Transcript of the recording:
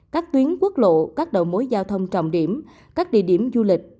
các tuyến quốc lộ các đầu mối giao thông trọng điểm các địa điểm du lịch